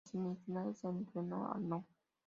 En las semifinales, se enfrentó al No.